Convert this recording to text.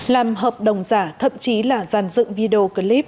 làm hợp đồng giả thậm chí là giàn dựng video clip